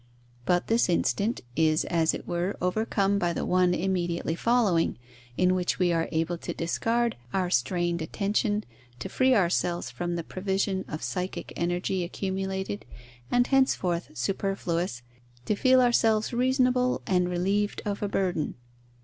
But this instant is as it were overcome by the one immediately following, in which we are able to discard our strained attention, to free ourselves from the provision of psychic energy accumulated and, henceforth superfluous, to feel ourselves reasonable and relieved of a burden.